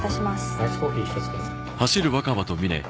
アイスコーヒー１つください